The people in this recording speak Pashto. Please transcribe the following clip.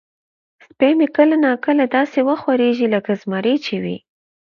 سپی مې کله نا کله داسې وخوریږي لکه زمری چې وي.